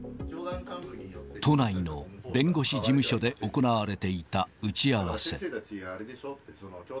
都内の弁護士事務所で行われていた打ち合わせ。